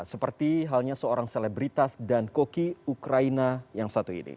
seperti halnya seorang selebritas dan koki ukraina yang satu ini